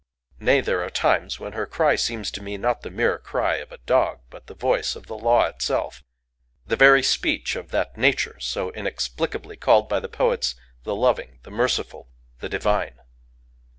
Nay, there are times when her cry seems to me not the mere cry of a dog, but the voice of the law itself,—the very speech of that Nature so inexplicably called by poets the loving, the merciful, the divine!